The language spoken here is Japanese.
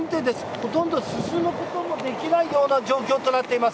ほとんど進むことのできない状況となっています。